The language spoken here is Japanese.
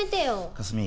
かすみ